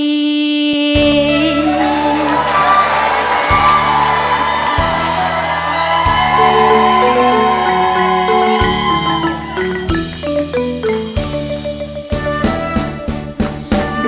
สวัสดีครับ